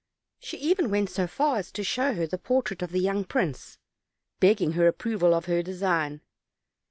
She even went so far as to show her the portrait of the young prince, begging her ap proval of her design.